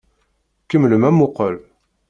Kemmlem amuqqel!